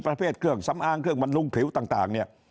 ประเภทเครื่องสำอางเครื่องบรรลุงผิวต่างเนี่ย